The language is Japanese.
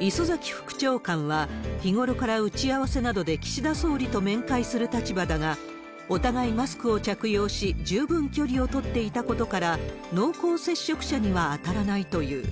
磯崎副長官は、日頃から打ち合わせなどで岸田総理と面会する立場だが、お互いマスクを着用し、十分距離を取っていたことから、濃厚接触者には当たらないという。